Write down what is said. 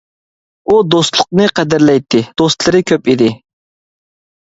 ئۇ دوستلۇقنى قەدىرلەيتتى، دوستلىرى كۆپ ئىدى.